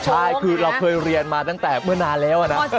ใช่คือเราเคยเรียนมาตั้งแต่เมื่อนานแล้วนะ